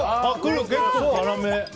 結構辛め。